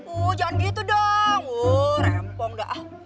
uh jangan gitu dong rempong dah